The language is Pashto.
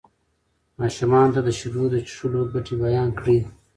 ماشومانو ته د شیدو د څښلو ګټې بیان کړئ.